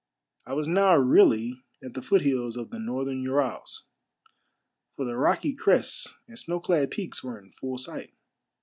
I was now really at the foot hills of the Northern Urals, for the rocky crests and snow clad peaks were in full sight.